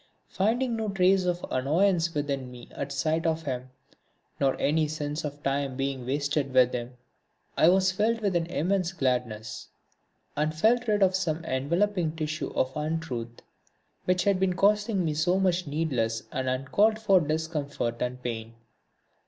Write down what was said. Finding no trace of annoyance within me at sight of him, nor any sense of my time being wasted with him, I was filled with an immense gladness, and felt rid of some enveloping tissue of untruth which had been causing me so much needless and uncalled for discomfort and pain.